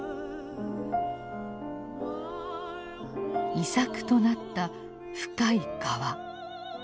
遺作となった「深い河」。